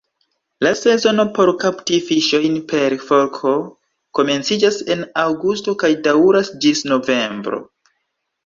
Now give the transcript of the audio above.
La sezono por kapti fiŝojn per forko komenciĝas en aŭgusto kaj daŭras ĝis novembro.